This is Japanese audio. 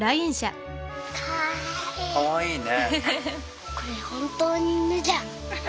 かわいいね。